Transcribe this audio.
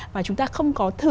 và chúng ta không có thử